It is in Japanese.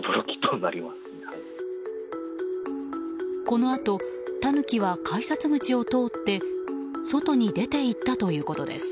このあとタヌキは改札口を通って外に出ていったということです。